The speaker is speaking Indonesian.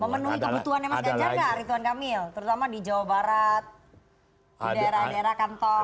memenuhi kebutuhannya mas ganjar nggak rituan kamil terutama di jawa barat di daerah daerah kantor